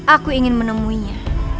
aku ingin menemuinya